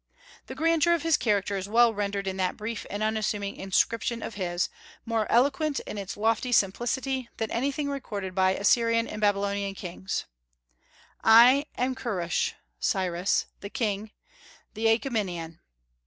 "The grandeur of his character is well rendered in that brief and unassuming inscription of his, more eloquent in its lofty simplicity than anything recorded by Assyrian and Babylonian kings: 'I am Kurush [Cyrus] the king, the Achaemenian.'"